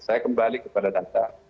saya kembali kepada data